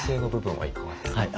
はい。